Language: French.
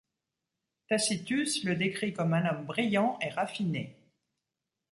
Tacitus le décrit comme un homme brillant et raffiné.